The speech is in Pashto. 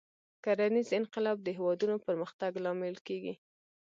کرنیز انقلاب د هېوادونو پرمختګ لامل کېږي.